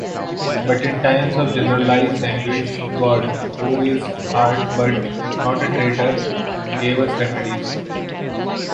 But in times of generalized anguish, God - who is hard but not a traitor - gave us remedies.